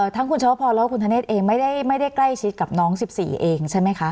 ทั้งคุณชวพรแล้วก็คุณธเนธเองไม่ได้ใกล้ชิดกับน้อง๑๔เองใช่ไหมคะ